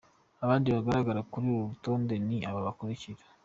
Abandi bagagara kuri uru rotonde ni aba bakurikira:.